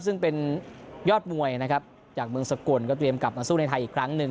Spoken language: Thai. ซึ่งเป็นยอดมวยนะครับจากเมืองสกลก็เตรียมกลับมาสู้ในไทยอีกครั้งหนึ่ง